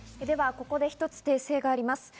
ではここで一つ訂正があります。